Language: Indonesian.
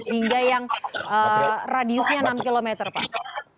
hingga yang radiusnya enam km pak